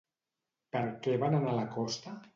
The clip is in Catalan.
Per què van anar a la costa?